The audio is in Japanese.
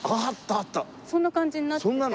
そんな感じになってて。